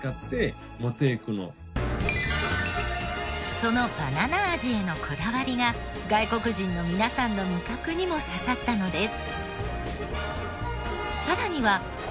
そのバナナ味へのこだわりが外国人の皆さんの味覚にも刺さったのです。